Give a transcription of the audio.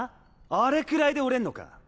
あれくらいで折れんのか？